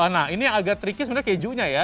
nah ini yang agak tricky sebenarnya kejunya ya